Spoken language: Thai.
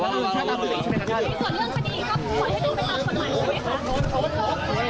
ในส่วนเรื่องผัดีครับผมหว่าเนี่ยเต็มไปตามกันกันเลยนะคะ